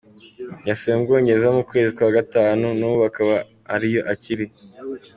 Yasubiye mu Bwongereza mu kwezi kwa gatanu, nubu akaba ariyo akiri.